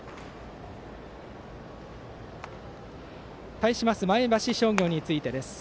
対します前橋商業についてです。